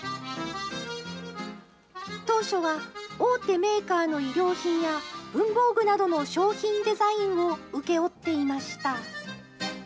当初は大手メーカーの衣料品や文房具などの商品デザインを請け負っていました。